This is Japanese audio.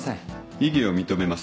異議を認めます。